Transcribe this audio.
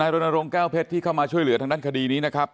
รณรงค์แก้วเพชรที่เข้ามาช่วยเหลือทางด้านคดีนี้นะครับ